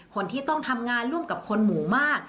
คนที่ต้องทำงานร่วมกับคนหมู่มาก